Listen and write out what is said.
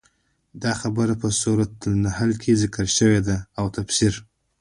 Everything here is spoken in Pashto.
دا خبره په سورت نحل کي ذکر شوي ده، او د تفسير